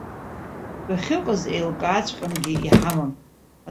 Бахьыҟаз еилкааҵәҟьангьы иҳамам.